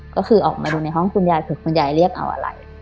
ก็คือออกมาดูในห้องคุณยายคือคุณยายเรียกเอาอะไร